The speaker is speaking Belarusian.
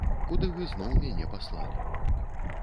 Куды вы зноў мяне паслалі.